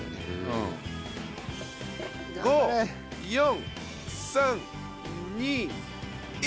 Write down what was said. ５４３２１。